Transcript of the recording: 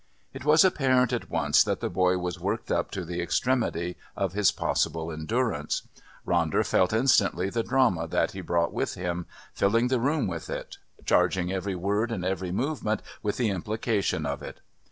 It was apparent at once that the boy was worked up to the extremity of his possible endurance. Ronder felt instantly the drama that he brought with him, filling the room with it, charging every word and every movement with the implication of it.